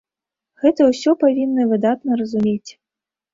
Гэта ўсё павінны выдатна разумець.